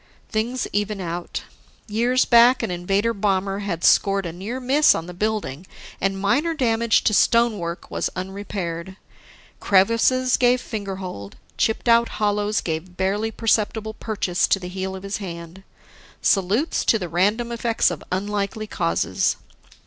Things even out. Years back, an Invader bomber had scored a near miss on the building, and minor damage to stonework was unrepaired. Crevices gave fingerhold, chipped out hollows gave barely perceptible purchase to the heel of his hand. Salutes to the random effects of unlikely causes!